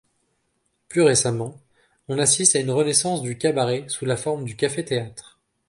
Plus récemment, on assiste à une renaissance du cabaret sous la forme du café-théâtre.